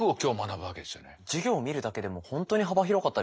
授業を見るだけでも本当に幅広かったですね。